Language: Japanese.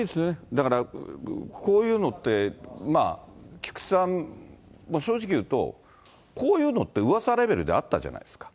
だからこういうのって、まあ、菊池さん、正直言うと、こういうのって、うわさレベルであったじゃないですか。